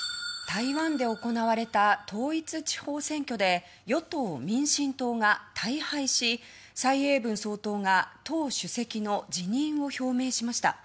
台湾で行われた統一地方選挙で与党・民進党が大敗し蔡英文総統が党主席の辞任を表明しました。